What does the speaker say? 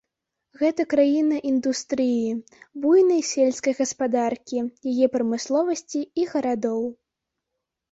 Гэта краіна індустрыі, буйнай сельскай гаспадаркі, яе прамысловасці і гарадоў.